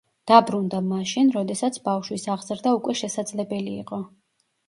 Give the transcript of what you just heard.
დაბრუნდა მაშინ, როდესაც ბავშვის აღზრდა უკვე შესაძლებელი იყო.